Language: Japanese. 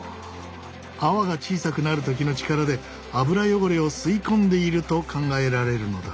泡が小さくなる時の力で油汚れを吸い込んでいると考えられるのだ。